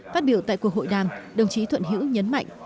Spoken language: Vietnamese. phát biểu tại cuộc hội đàm đồng chí thuận hữu nhấn mạnh